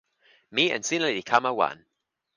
mi en sina li kama wan.